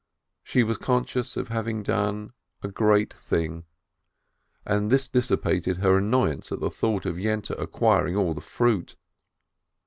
She was conscious of having done a great thing, and this dissipated her annoyance at the thought of Yente acquiring all the fruit.